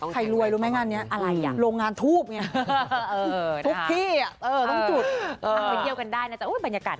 ใครรวยรู้ไหมงานเนี่ยโรงงานทูบเนี่ย